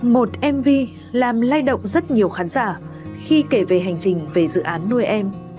một mv làm lay động rất nhiều khán giả khi kể về hành trình về dự án nuôi em